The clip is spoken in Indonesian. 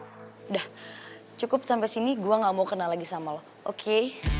sudah cukup sampai sini gue gak mau kenal lagi sama lo oke